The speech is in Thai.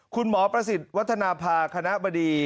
คุณหมอประสิทธิ์วัฒนาภาคณะบดี